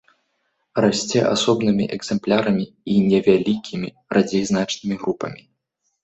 Расце асобнымі экземплярамі і невялікімі, радзей значнымі групамі.